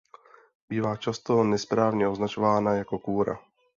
Bývá často nesprávně označovaná jako kůra.